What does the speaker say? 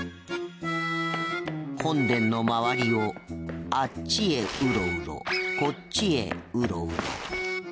本殿の周りをあっちへウロウロこっちへウロウロ。